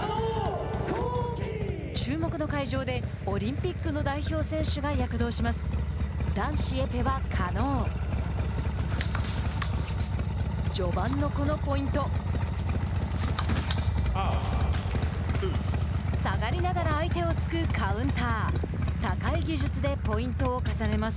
注目の会場でオリンピックの代表選手が躍動します。